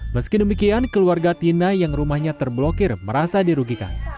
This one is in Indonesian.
meski demikian keluarga tina yang rumahnya terblokir merasa dirugikan